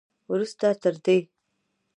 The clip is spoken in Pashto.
وروسته تر دې